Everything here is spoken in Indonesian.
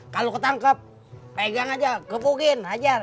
kalau ketangkep pegang aja kepukin hajar